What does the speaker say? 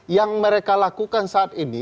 yang mereka lakukan saat ini